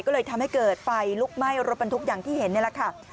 ก็เลยทำให้เกิดไฟลุกไหม้รถบรรทุกอย่างที่เห็นนี่แหละค่ะ